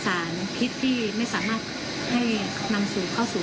เป็นผลิตผิดที่ไม่สามารถเอามาให้คลับกาย